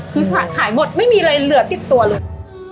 สุดท้ายขายหมดไม่มีอะไรเหลือติดตัวเลย